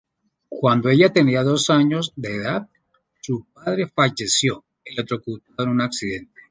Cuando ella tenía dos años de edad, su padre falleció electrocutado en un accidente.